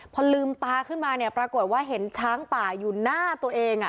พอลืมตาขึ้นมาเนี่ยปรากฏว่าเห็นช้างป่าอยู่หน้าตัวเอง